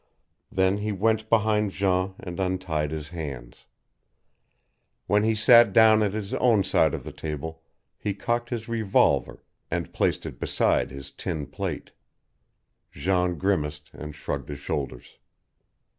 Then he went behind Jean and untied his hands. When he sat down at his own side of the table he cocked his revolver and placed it beside his tin plate. Jean grimaced and shrugged his shoulders.